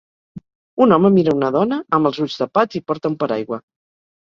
Un home mira a una dona amb els ulls tapats i porta un paraigua.